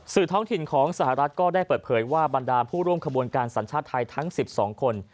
ท้องถิ่นของสหรัฐก็ได้เปิดเผยว่าบรรดาผู้ร่วมขบวนการสัญชาติไทยทั้ง๑๒คน